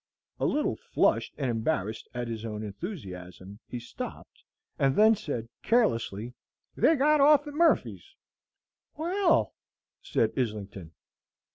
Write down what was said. A little flushed and embarrassed at his own enthusiasm, he stopped, and then said, carelessly, "They got off at Murphy's." "Well," said Islington.